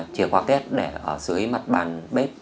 chìa khóa két để ở dưới mặt bàn bếp